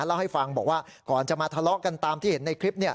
เล่าให้ฟังบอกว่าก่อนจะมาทะเลาะกันตามที่เห็นในคลิป